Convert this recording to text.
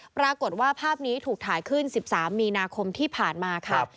ปรากฏว่าภาพนี้ถูกถ่ายขึ้น๑๓มีนาคมที่ผ่านมาค่ะ